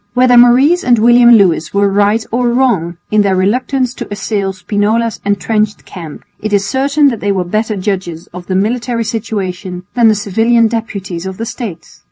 Whether Maurice and William Lewis were right or wrong in their reluctance to assail Spinola's entrenched camp, it is certain that they were better judges of the military situation than the civilian deputies of the States.